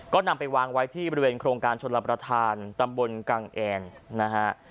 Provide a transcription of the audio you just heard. ก็นำไปวางไว้ที่บริเวณโครงการชนรับประทานตำบลกังแอนนะฮะ